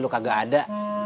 lu kagak ada